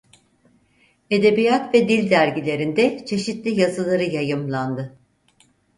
Edebiyat ve dil dergilerinde çeşitli yazıları yayımlandı.